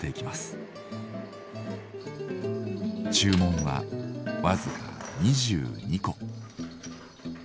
注文は僅か２２個。